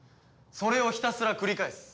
それをひたすら繰り返す。